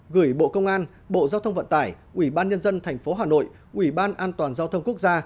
gửi bộ công an bộ giao thông vận tải quỹ ban nhân dân thành phố hà nội quỹ ban an toàn giao thông quốc gia